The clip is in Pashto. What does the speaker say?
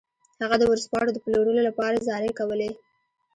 هغه د ورځپاڼو د پلورلو لپاره زارۍ کولې.